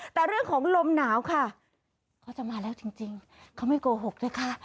แต่เรื่องของลมหนาวค่ะเขาจะมาแล้วจริงเขาไม่โกหกนะคะ